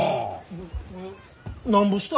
ななんぼした？